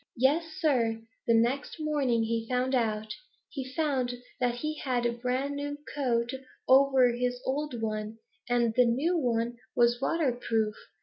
Yes, Sir, the next morning he found out. He found that he had a brand new coat over his old one, and the new one was waterproof.